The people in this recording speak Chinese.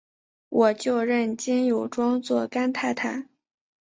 我就认金友庄做干太太！